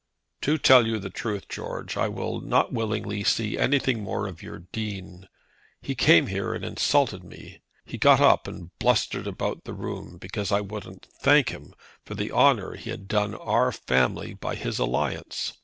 "To tell you the truth, George, I will not willingly see anything more of your Dean. He came here and insulted me. He got up and blustered about the room because I wouldn't thank him for the honour he had done our family by his alliance.